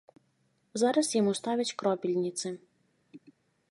Зараз яму ставяць кропельніцы.